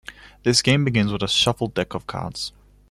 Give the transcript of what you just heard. This game begins with a shuffled deck of cards.